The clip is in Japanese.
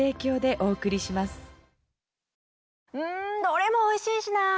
どれもおいしいしなぁ。